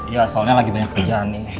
ya soalnya lagi banyak kerjaan nih